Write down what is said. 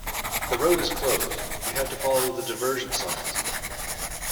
The road is closed. You have to follow the diversion signs